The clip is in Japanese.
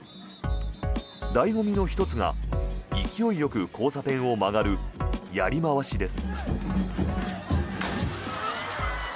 醍醐味の１つが勢いよく交差点を曲がるやりまわしです。